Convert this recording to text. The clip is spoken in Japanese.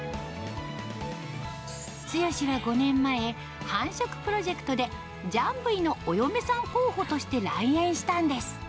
ツヨシは５年前、繁殖プロジェクトでジャンブイのお嫁さん候補として来園したんです。